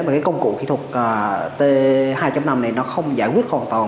mà cái công cụ kỹ thuật t hai năm này nó không giải quyết hoàn toàn